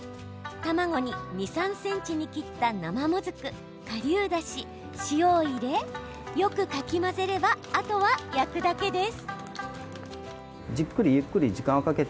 卵に２、３ｃｍに切った生もずくかりゅうだし、塩を入れよくかき混ぜればあとは焼くだけです。